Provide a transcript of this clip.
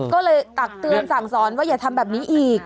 ก็เลยตักเตือนสั่งสอนว่าอย่าทำแบบนี้อีก